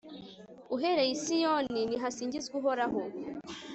uhereye i siyoni nihasingizwe uhoraho